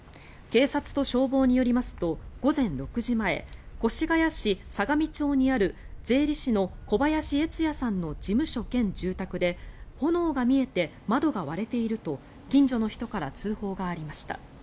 警察と消防によりますと午前６時前越谷市相模町にある税理士の小林悦也さんの事務所兼住宅で炎が見えて窓が割れていると近所の人から通報がありました。